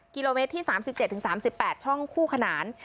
กิโลเมตรที่๓๗๓๘ช่องคู่ขนาน